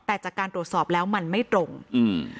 แต่จากการตรวจสอบแล้วมันไม่ตรงอืม